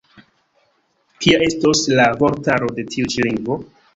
Kia estos la vortaro de tiu ĉi lingvo?